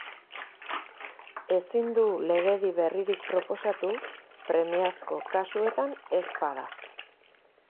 Ezin du legedi berririk proposatu, premiazko kasuetan ez bada.